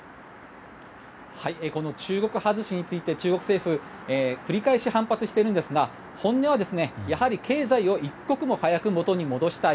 この中国外しについて中国政府は繰り返し反発していますが、本音は経済を一刻も早く元に戻したい。